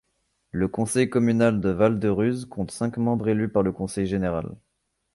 Le Conseil communal de Val-de-Ruz compte cinq membres élus par le Conseil général.